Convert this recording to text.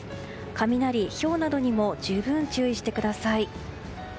雷、ひょうなどにも十分注意してください。